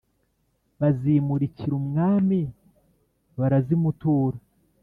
bazimurikira umwami barazimutura.